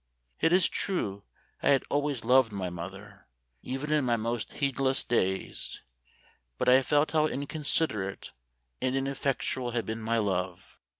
It is true I had always loved my mother, even in my most heedless days ; but I felt how inconsiderate and ineffectual had been my love.